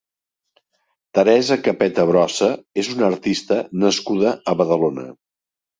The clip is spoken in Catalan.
Teresa Capeta Brossa és una artista nascuda a Badalona.